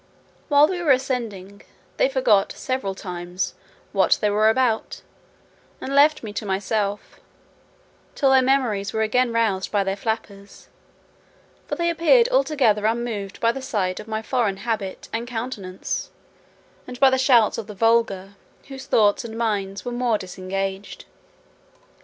While we were ascending, they forgot several times what they were about, and left me to myself, till their memories were again roused by their flappers; for they appeared altogether unmoved by the sight of my foreign habit and countenance, and by the shouts of the vulgar, whose thoughts and minds were more disengaged.